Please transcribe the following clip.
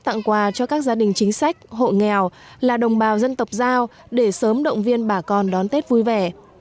tặng quà cho các gia đình chính sách hộ nghèo là đồng bào dân tộc giao để sớm động viên bà con đón tết vui vẻ